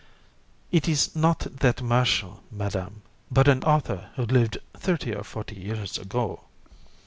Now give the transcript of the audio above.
THI. It is not that Martial, Madam, but an author who lived thirty or forty years ago.